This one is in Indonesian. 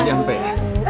jangan sampai ya